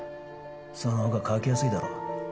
そのほうがかけやすいだろ。